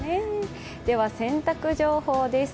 では、洗濯情報です。